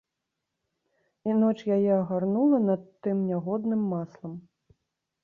І ноч яе агарнула над тым нягодным маслам.